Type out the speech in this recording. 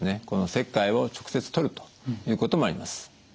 この石灰を直接取るということもあります。